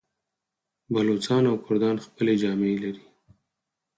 بلوڅان او کردان خپلې جامې لري.